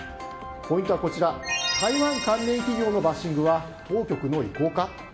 ポイントはこちら台湾関連企業のバッシングは当局の意向か？